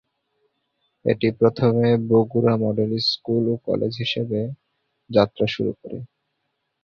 এটি প্রথমে Bogura model school ও কলেজ হিসেবে যাত্রা শুরু করে।